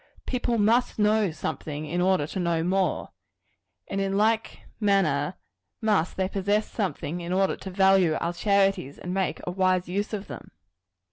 People must know something, in order to know more; and in like manner, must they possess something, in order to value our charities, and make a wise use of them.